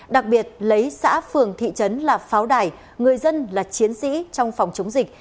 đặc biệt lấy xã phường thị trấn là pháo đài người dân là chiến sĩ trong phòng chống dịch